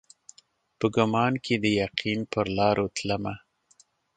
په ګمان کښي د یقین پرلارو تلمه